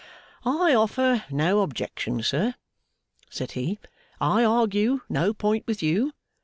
'I offer no objection, sir,' said he, 'I argue no point with you.